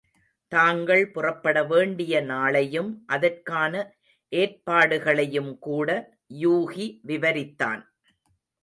தாங்கள் புறப்பட வேண்டிய நாளையும் அதற்கான ஏற்பாடுகளையும்கூட யூகி விவரித்தான்.